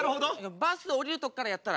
バス降りるところからやったら？